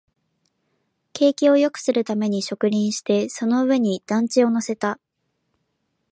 景観をよくするために植林して、その上に団地を乗せた